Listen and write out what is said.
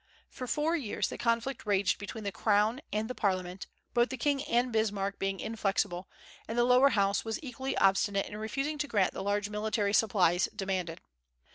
For four years the conflict raged between the crown and the parliament, both the king and Bismarck being inflexible; and the lower House was equally obstinate in refusing to grant the large military supplies demanded.